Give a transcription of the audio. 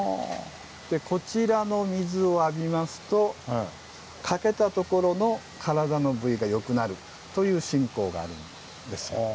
こちらの水を浴びますとかけた所の体の部位が良くなるという信仰があるんです。